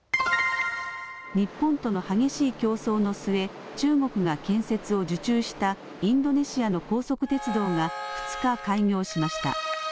日本との激しい競争の末中国が建設を受注したインドネシアの高速鉄道が２日、開業しました。